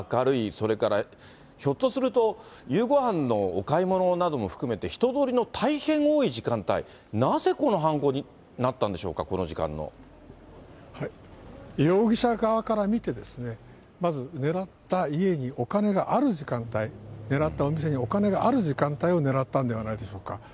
それからひょっとすると、夕ごはんのお買い物なども含めて、人通りの大変多い時間帯、なぜこの犯行になったんでしょうか、この時間の。容疑者側から見てですね、まず狙った家にお金がある時間帯、狙ったお店にお金がある時間帯を狙ったんではないでしょうか。